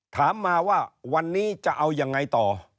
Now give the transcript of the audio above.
ถามมาว่าวันนี้จะเอายังไงต่อ